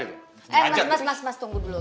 eh mas mas tunggu dulu